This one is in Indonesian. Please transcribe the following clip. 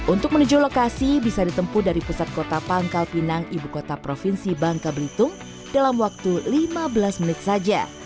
untuk menuju lokasi bisa ditempu dari pusat kota pangkal pinang ibu kota provinsi bangka belitung dalam waktu lima belas menit saja